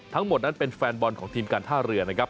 ทั้งหมดนั้นเป็นแฟนบอลของทีมการท่าเรือนะครับ